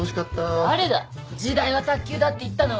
誰だ時代は卓球だって言ったのは。